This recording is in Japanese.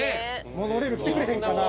モノレール来てくれへんかな？